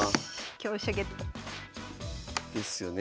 香車ゲット。ですよね。